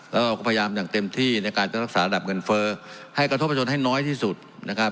แล้วเราก็พยายามอย่างเต็มที่ในการจะรักษาระดับเงินเฟ้อให้กระทบประชนให้น้อยที่สุดนะครับ